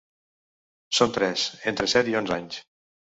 Són tres, entre set i onze anys.